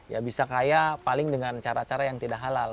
ya bisa kaya paling dengan cara cara yang tidak halal